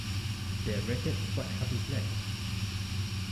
Their record What Happens Next?